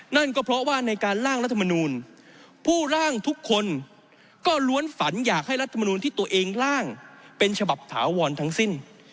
นั่นก็เพราะว่าในการล่างรัฐมนูลผู้ร่างทุกคนก็ล้วนฝันอยากให้รัฐมนูลที่ตัวเองล่างเป็นฉบับถาวรทั้งสิ้น